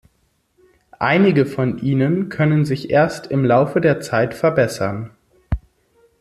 Einige von ihnen können sich erst im Laufe der Zeit verbessern.